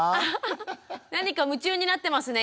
何か夢中になってますね